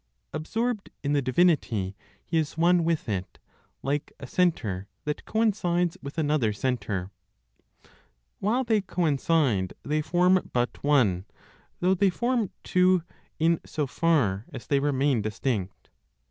Absorbed in the divinity, he is one with it, like a centre that coincides with another centre. While they coincide, they form but one, though they form two in so far as they remain distinct.